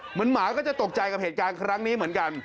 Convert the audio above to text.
หมาก็จะตกใจกับเหตุการณ์ครั้งนี้เหมือนกัน